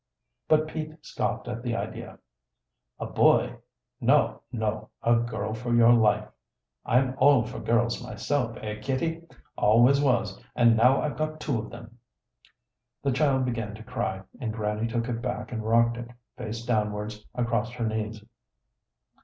But Pete scoffed at the idea. "A boy? Never! No, no a girl for your life. I'm all for girls myself, eh, Kitty? Always was, and now I've got two of them." The child began to cry, and Grannie took it back and rocked it, face downwards, across her knees.